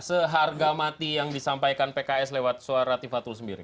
seharga mati yang disampaikan pks lewat suara tifa tulsimbiring